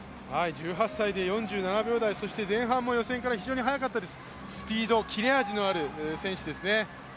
１８歳で４７秒台、そして前半も予選から非常に速かったです、スピード、切れ味のある選手ですね。